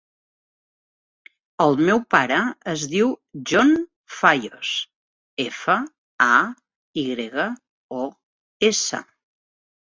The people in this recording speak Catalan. El meu pare es diu John Fayos: efa, a, i grega, o, essa.